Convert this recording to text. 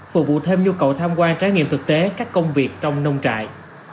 phục vụ thêm nhu cầu tham quan trải nghiệm thực tế các công việc trong nông trại